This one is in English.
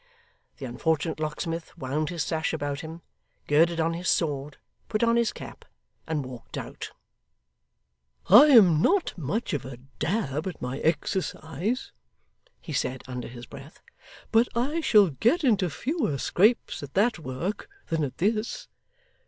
The unfortunate locksmith wound his sash about him, girded on his sword, put on his cap, and walked out. 'I am not much of a dab at my exercise,' he said under his breath, 'but I shall get into fewer scrapes at that work than at this.